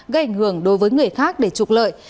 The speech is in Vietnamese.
gây ảnh hưởng đối với người khác để trục lợi